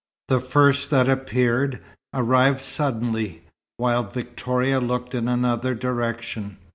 The first that appeared, arrived suddenly, while Victoria looked in another direction.